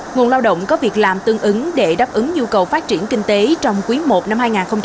nguồn lao động có việc làm tương ứng để đáp ứng nhu cầu phát triển kinh tế trong quý i năm hai nghìn hai mươi bốn